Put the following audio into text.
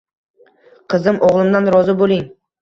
Qizim oʻgʻlimdan rozi boʻling.